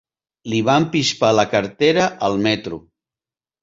Li van pispar la cartera al metro.